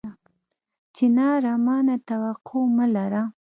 چناره! ما نه توقع مه لره